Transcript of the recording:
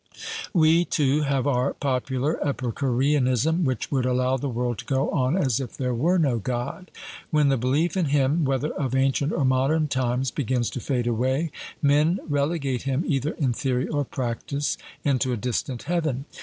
We too have our popular Epicureanism, which would allow the world to go on as if there were no God. When the belief in Him, whether of ancient or modern times, begins to fade away, men relegate Him, either in theory or practice, into a distant heaven.